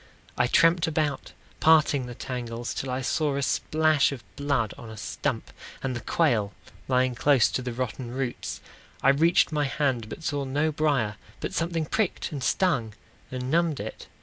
I tramped about, parting the tangles, Till I saw a splash of blood on a stump, And the quail lying close to the rotten roots. I reached my hand, but saw no brier, But something pricked and stung and numbed it.